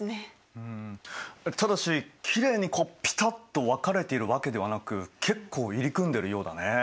うんただしきれいにピタッと分かれているわけではなく結構入り組んでるようだね。